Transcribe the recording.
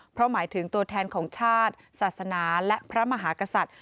เพราะหมายถึงตัวแทนของชาติศาสนาและพระมหากษัตริย์